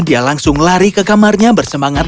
dia langsung lari ke kamarnya bersemangat